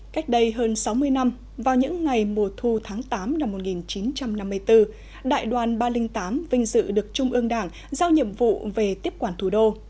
cách đây hơn sáu mươi năm vào những ngày mùa thu tháng tám năm một nghìn chín trăm năm mươi bốn đại đoàn ba trăm linh tám vinh dự được trung ương đảng giao nhiệm vụ về tiếp quản thủ đô